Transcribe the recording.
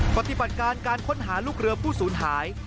ปฏิบัติการการค้นหาลูกเรือผู้สูญหาย